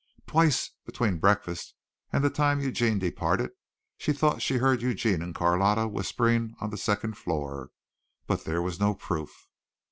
Twice, between breakfast and the time Eugene departed, she thought she heard Eugene and Carlotta whispering on the second floor, but there was no proof.